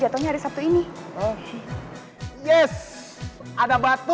ya bener loncatnya